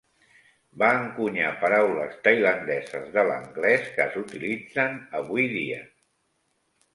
Va encunyar paraules tailandeses de l'anglès que s'utilitzen avui dia.